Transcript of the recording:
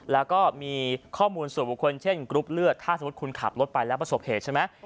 แล้วก็มีข้อมูลส่วนบุคคลเช่นกรุ๊ปเลือดถ้าสมมุติคุณขับรถไปแล้วประสบเหตุใช่ไหม